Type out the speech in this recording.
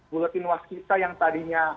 buletin waskisa yang tadinya